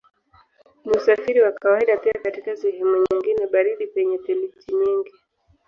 Ni usafiri wa kawaida pia katika sehemu nyingine baridi penye theluji nyingi.